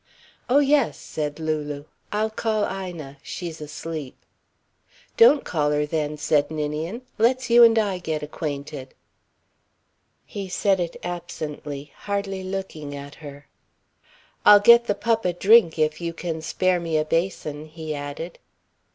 "Oh, yes," said Lulu. "I'll call Ina. She's asleep." "Don't call her, then," said Ninian. "Let's you and I get acquainted." He said it absently, hardly looking at her. "I'll get the pup a drink if you can spare me a basin," he added.